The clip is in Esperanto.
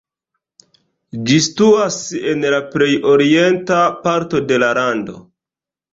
Ĝi situas en la plej orienta parto de la lando.